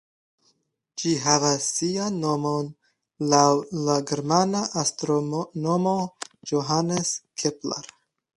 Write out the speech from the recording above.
Ĝi havas sian nomon laŭ la germana astronomo Johannes Kepler.